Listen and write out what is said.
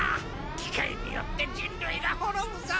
機械によって人類が滅ぶぞ！